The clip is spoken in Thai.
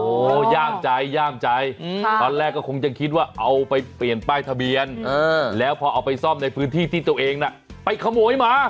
โอ้โหย่ามใจย่ามใจตอนแรกก็คงจะคิดว่าเอาไปเปลี่ยนป้ายทะเบียนแล้วพอเอาไปซ่อมในพื้นที่ที่ตัวเองน่ะไปขโมยมา